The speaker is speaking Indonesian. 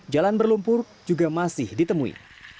jalan berlumpur juga masih ditemui